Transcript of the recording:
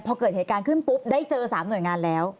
พอเกิดเหตุการณ์ขึ้นปุ๊บได้เจอ๓หน่วยงานแล้ว